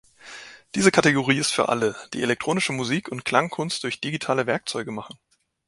Diese Kategorie ist für alle, die elektronische Musik und Klangkunst durch digitale Werkzeuge machen.